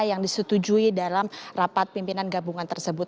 yang disetujui dalam rapat pimpinan gabungan tersebut